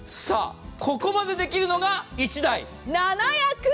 ここまでできるのが１台７役。